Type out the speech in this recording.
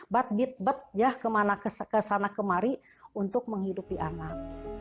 bat bit bat ya ke sana kemari untuk menghidupi anak